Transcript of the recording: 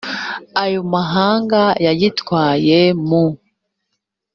ayo mahanga yagitwaye mu